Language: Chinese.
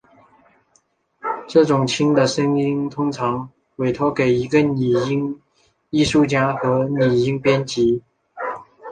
这种轻的声音通常委托给一个拟音艺术家和拟音编辑。